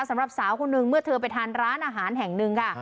สำหรับสาวคนนึงเมื่อเธอไปทานร้านอาหารแห่งหนึ่งค่ะ